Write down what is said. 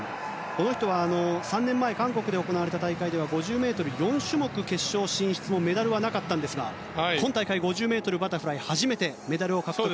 この人は３年前韓国で行われた大会では５０ｍ４種目決勝進出もメダルはなかったんですが今大会、５０ｍバタフライ初めてメダルを獲得。